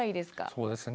そうですね